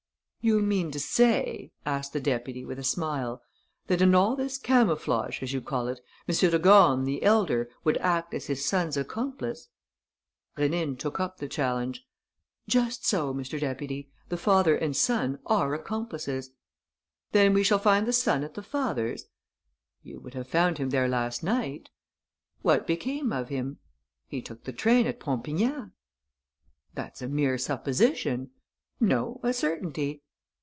"You mean to say," asked the deputy, with a smile, "that in all this camouflage, as you call it, M. de Gorne the elder would act as his son's accomplice?" Rénine took up the challenge: "Just so, Mr. Deputy. The father and son are accomplices. "Then we shall find the son at the father's?" "You would have found him there last night." "What became of him?" "He took the train at Pompignat." "That's a mere supposition." "No, a certainty."